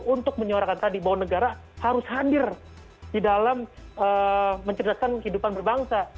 untuk menyuarakan tadi bahwa negara harus hadir di dalam mencerdaskan kehidupan berbangsa